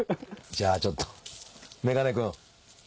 じゃあちょっとメガネ君。